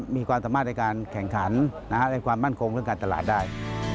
มีความสามารถในการแข่งขันในความมั่นคงเรื่องการตลาดได้